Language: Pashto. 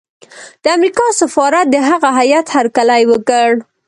د امریکا سفارت د هغه هیات هرکلی وکړ.